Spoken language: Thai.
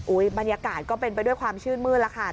บรรยากาศก็เป็นไปด้วยความชื่นมืดแล้วค่ะ